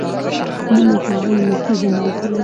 نیمه قابل نفوذ عمل کوي.